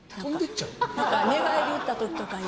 寝返り打った時とかに。